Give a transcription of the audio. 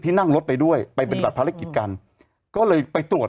นั่งรถไปด้วยไปปฏิบัติภารกิจกันก็เลยไปตรวจ